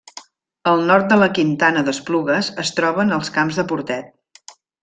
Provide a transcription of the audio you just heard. Al nord de la Quintana d'Esplugues es troben els Camps de Portet.